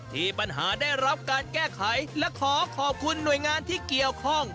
ที่ปัญหาได้รับการแก้ไขและขอขอบคุณหน่วยงานที่เกี่ยวข้อง